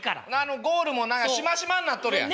ゴールもなしましまになっとるやん。